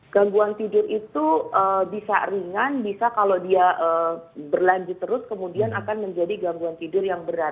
gangguan tidur itu bisa ringan bisa kalau dia berlanjut terus kemudian akan menjadi gangguan tidur yang berat